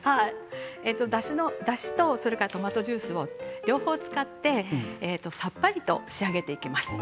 だしとトマトジュースを両方使ってさっぱりと仕上げていきます。